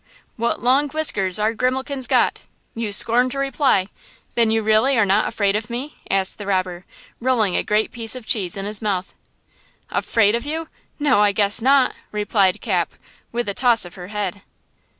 What long whiskers our Grimalkin's got! You scorn to reply! Then you really are not afraid of me?" asked the robber, rolling a great piece of cheese in his mouth. "Afraid of you? No, I guess not!" replied Cap, with a toss of her head.